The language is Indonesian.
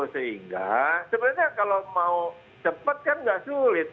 sehingga sebenarnya kalau mau cepat kan nggak sulit